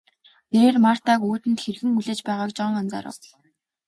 Тэрээр Мартаг үүдэнд хэрхэн хүлээж байгааг Жон анзаарав.